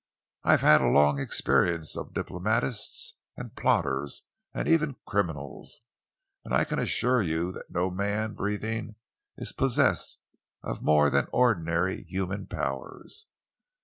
"I have had a long experience of diplomatists and plotters and even criminals, and I can assure you that no man breathing is possessed of more than ordinary human powers.